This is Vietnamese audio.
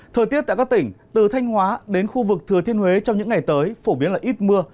thời tiết tại các tỉnh từ thanh hóa đến khu vực thừa thiên huế trong những ngày tới phổ biến là ít mưa